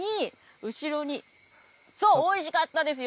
そう、おいしかったですよ。